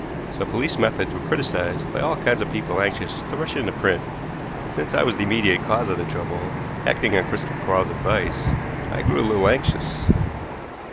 So police methods were criticized by all kinds of people anxious to rush into print, and since I was the immediate cause of the trouble, acting on Christopher Quarles's advice, I grew a little anxious.